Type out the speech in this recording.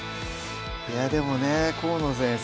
でもね河野先生